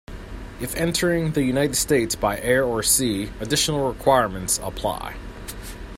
If entering the United States by air or sea, additional requirements apply.